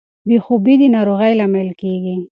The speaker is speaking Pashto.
بې خوبي د ناروغۍ لامل کیږي.